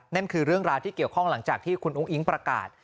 นั่นคือเรื่องราวที่เกี่ยวข้องหลังจากที่คุณอุ้งอิ๊งประกาศ